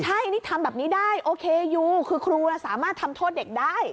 ใช่นี่ทำแบบนี้ได้โอเคยูคือครูสามารถทำโทษเด็กได้